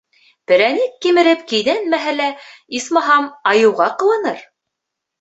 Перәник кимереп кинәнмәһә лә, исмаһам, айыуға ҡыуаныр.